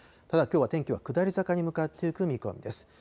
ただきょうは、天気は下り坂に向かっていく見込みです。